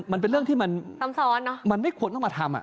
มันเป็นเรื่องที่มันซ้ำซ้อนเนอะมันไม่ควรต้องมาทำอ่ะ